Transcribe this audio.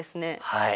はい。